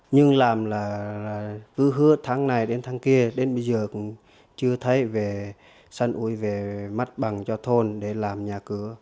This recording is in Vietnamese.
nhưng làm là cứ hứa tháng này đến tháng kia đến bây giờ cũng chưa thấy về săn uối về mặt bằng cho thôn để làm nhà cửa